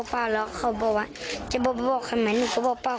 ไปเปลี่ยนแบบนี้เลยฮะรัวเลย